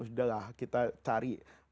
sudah lah kita cari refreshing ke luar negeri